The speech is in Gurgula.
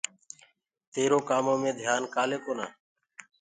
تيرو ڪآمو مي ڌيآن ڪآلي ڪونآ؟